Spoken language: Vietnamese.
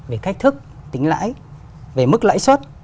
về cách thức tính lãi về mức lãi suất